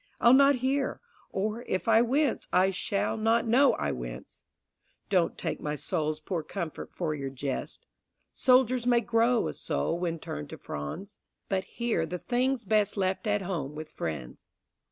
I'll not hear; Or, if I wince, I shall not know I wince. Don't take my soul's poor comfort for your jest. Soldiers may grow a soul when turned to fronds, But here the thing's best left at home with friends.